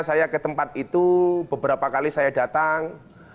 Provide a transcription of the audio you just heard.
saya ke tempat itu beberapa kali saya datang